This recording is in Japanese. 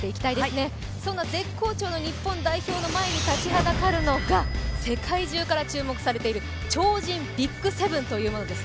そんな絶好調の日本代表の前に立ちはだかるのが世界中から注目されている超人ＢＩＧ７というものです。